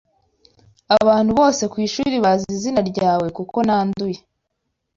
Abantu bose kwishuri bazi izina ryawe kuko nanduye